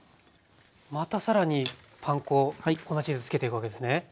また更にパン粉粉チーズつけていくわけですね。